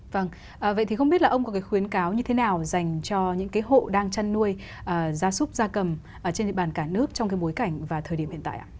vâng vậy thì không biết là ông có cái khuyến cáo như thế nào dành cho những cái hộ đang chăn nuôi gia súc gia cầm trên địa bàn cả nước trong cái bối cảnh và thời điểm hiện tại ạ